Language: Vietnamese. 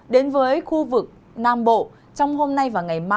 đến với khu vực nam bộ trong hôm nay và ngày mai